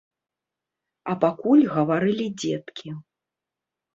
А пакуль гаварылі дзеткі.